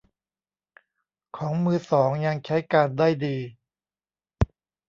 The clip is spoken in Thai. ของมือสองยังใช้การได้ดี